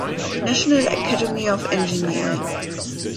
National Academy of Engineering.